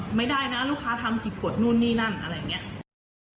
เออไม่ได้นะลูกค้าทำถิ่นผลนู่นนี่นั่งอะไรอย่างเงี้ย